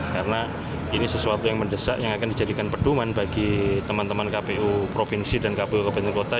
karena ini sesuatu yang mendesak yang akan dijadikan peduman bagi teman teman kpu provinsi dan kpu kabupaten kota